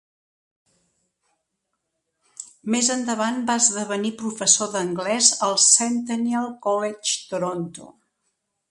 Més endavant va esdevenir professor d'anglès al Centennial College, Toronto.